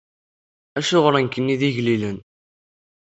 Acuɣer nekkni d igellilen?